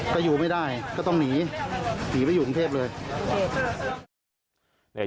ถ้าอยู่ไม่ได้ก็ต้องหนีหนีไปอยู่กรุงเทพเลย